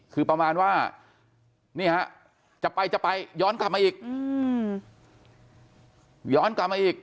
คือประมาณว่านี่ฮะจะไปจะไปย้อนกลับมาอีกย้อนกลับมาอีก